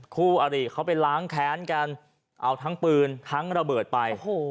คู่อริเขาไปล้างแค้นกันเอาทั้งปืนทั้งระเบิดไป